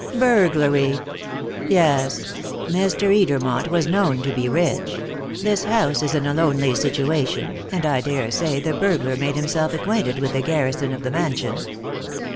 "Burglary. Yes! Mr. Edermont was known to be rich; this house is in a lonely situation, and I dare say the burglar made himself acquainted with the garrison of the mansion.